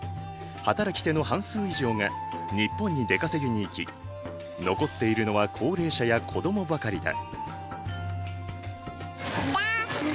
働き手の半数以上が日本に出稼ぎに行き残っているのは高齢者や子供ばかりだ。